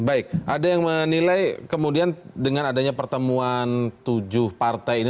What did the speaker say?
baik ada yang menilai kemudian dengan adanya pertemuan tujuh partai ini